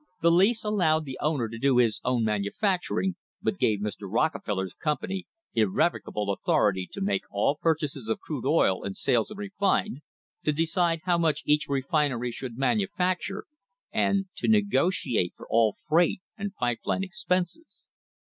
The lease allowed the owner to do his own manufacturing, but gave Mr. Rockefeller's company "irrevocable authority" to make all purchases of crude oil and sales of refined, to decide how much each refinery should manufacture, and to negotiate for all freight and pipe line expenses.